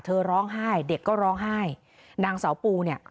ร้องไห้เด็กก็ร้องไห้นางเสาปูเนี่ย